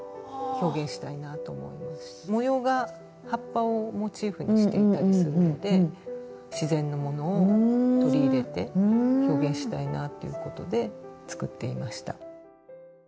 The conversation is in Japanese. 模様が葉っぱをモチーフにしていたりするので自然のものを取り入れて表現したいなっていうことで作っていました。